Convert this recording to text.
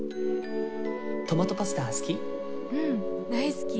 トマトパスタ好き？